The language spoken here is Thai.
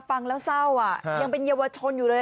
ฟังแล้วเศร้าอ่ะยังเป็นเยาวชนอยู่เลย